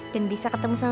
dan bisa ketemu sama bimo